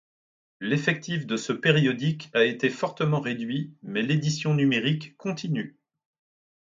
L'effectif de ce périodique a été fortement réduit mais l'édition numérique continue.